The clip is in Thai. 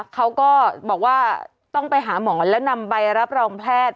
เขาก็บอกว่าต้องไปหาหมอแล้วนำใบรับรองแพทย์